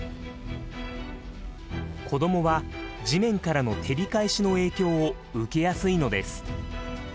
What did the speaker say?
子どもは地面からの照り返しの影響を受けやすいのです。